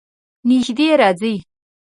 نژدې راځئ